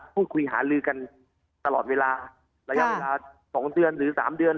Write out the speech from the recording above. พูดคุยหาลือกันตลอดเวลาระยะเวลา๒เดือนหรือ๓เดือน